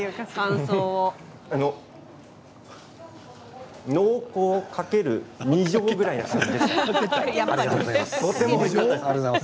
あの濃厚、掛ける２乗ぐらいですね。